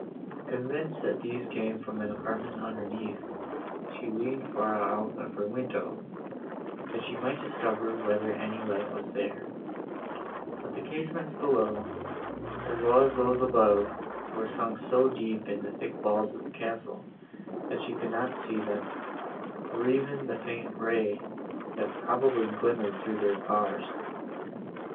Convinced that these came from an apartment underneath, she leaned far out of her window, that she might discover whether any light was there; but the casements below, as well as those above, were sunk so deep in the thick walls of the castle, that she could not see them, or even the faint ray, that probably glimmered through their bars.